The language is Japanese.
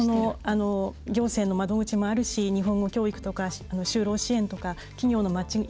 行政の窓口もあるし日本語教育とか就労支援とか企業のマッチング